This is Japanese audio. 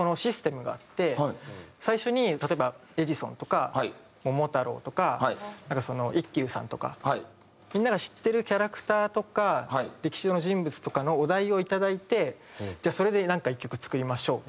最初に例えばエジソンとか桃太郎とか一休さんとかみんなが知ってるキャラクターとか歴史上の人物とかのお題をいただいてじゃあそれでなんか１曲作りましょうって。